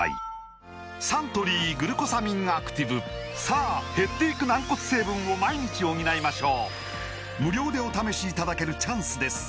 サントリー「グルコサミンアクティブ」さあ減っていく軟骨成分を毎日補いましょう無料でお試しいただけるチャンスです